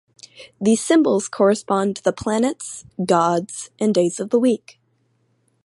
These symbols correspond to planets, gods, and days of the week.